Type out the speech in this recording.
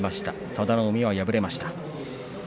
佐田の海は敗れました。